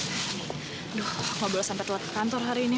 aduh mau bolos sampai telat kantor hari ini